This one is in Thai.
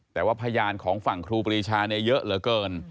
แต่ว่าพยานของฝั่งครูปรีชาเยอะเหลือเกิน